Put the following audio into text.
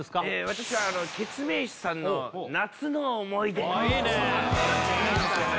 私はケツメイシさんの「夏の思い出」あっいいね夏だ